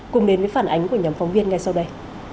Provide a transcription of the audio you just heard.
cùng đến với phản ánh của nhóm phóng viên ngay sau đây